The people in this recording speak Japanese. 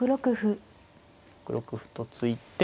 ６六歩と突いて。